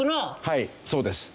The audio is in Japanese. はいそうです。